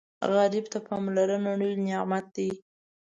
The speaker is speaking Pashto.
غریب ته پاملرنه لوی نعمت وي